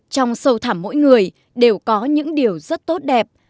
trong sâu thảm mỗi người đều có những điều rất tốt đẹp